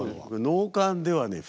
能管ではね